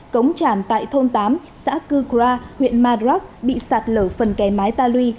cống tràn tại thôn tám xã cư cura huyện madrak bị sạt lở phần kè mái ta luy